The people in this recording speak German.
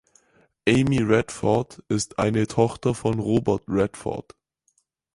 Amy Redford ist eine Tochter von Robert Redford.